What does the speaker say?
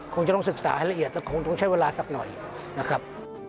คงจะต้องศึกษาให้ละเอียดแล้วคงต้องใช้เวลาสักหน่อยนะครับ